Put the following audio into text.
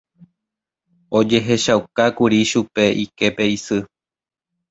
ojehechaukákuri chupe iképe isy